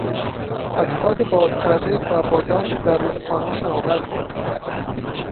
اجساد باد کردهی سربازان در روخانه شناور بود.